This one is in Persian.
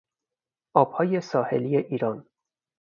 آبهای ساحلی ایران